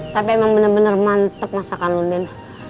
tapi emang bener bener mantep masakan lu ben